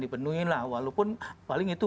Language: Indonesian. dipenuhi lah walaupun paling itu